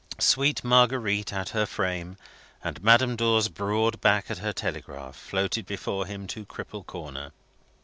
Sweet Marguerite at her frame, and Madame Dor's broad back at her telegraph, floated before him to Cripple Corner.